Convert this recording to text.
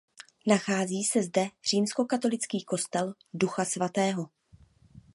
Nachází se zde římskokatolický kostel Ducha svatého.